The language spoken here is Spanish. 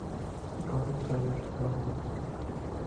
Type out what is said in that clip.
Golden Trailer Awards